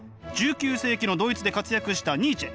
１９世紀のドイツで活躍したニーチェ。